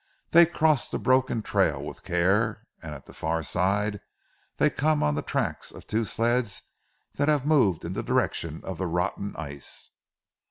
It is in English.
Dey cross the broken trail with care, an' at the far side, dey come on ze tracks of two sleds that hav' moved in ze direction of ze rotten ice.